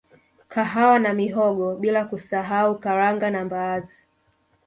Kahawa na mihogo bila kusahau Karanga na mbaazi